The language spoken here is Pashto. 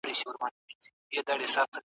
څرګندتيا